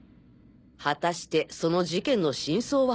果たしてその事件の真相は？